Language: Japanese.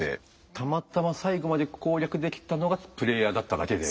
たまたま最後まで攻略できたのがプレイヤーだっただけで。